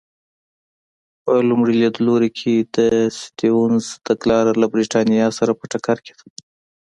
په لومړي لیدلوري کې د سټیونز تګلاره له برېټانیا سره په ټکر کې ده.